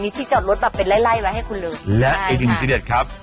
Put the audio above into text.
ที่จอดรถแบบเป็นไล่ไล่ไว้ให้คุณเลยและอีกหนึ่งทีเด็ดครับ